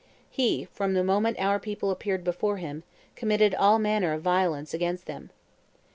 He, from the moment our people appeared before him, committed all manner of violence against them.